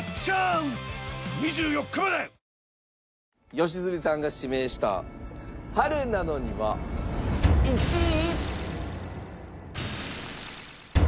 良純さんが指名した『春なのに』は１位。